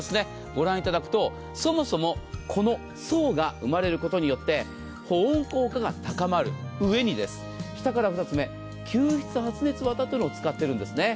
ご覧いただくとそもそもこの層が生まれることによって保温効果が高まる上に下から２つ目吸湿発熱わたというのを使っているんです。